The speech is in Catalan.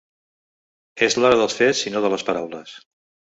És l’hora dels fets i no de les paraules.